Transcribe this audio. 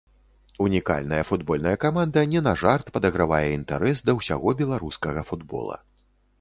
Унікальная футбольная каманда не на жарт падагравае інтарэс да ўсяго беларускага футбола.